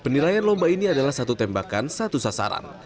penilaian lomba ini adalah satu tembakan satu sasaran